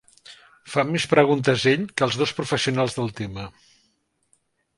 Fa més preguntes ell que els dos professionals del tema.